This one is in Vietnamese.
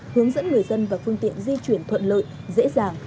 hướng dẫn người dân và phương tiện di chuyển thuận lợi dễ dàng